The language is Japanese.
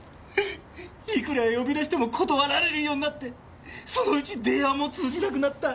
いくら呼び出しても断られるようになってそのうち電話も通じなくなった。